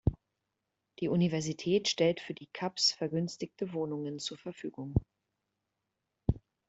Die Universität stellt für die kaps vergünstigte Wohnungen zur Verfügung.